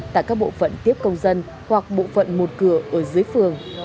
tại các bộ phận tiếp công dân hoặc bộ phận một cửa ở dưới phường